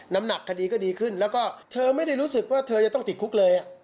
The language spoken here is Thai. แล้วก็เธอไม่ได้รู้สึกว่าเธอจะต้องติดคลุกเลย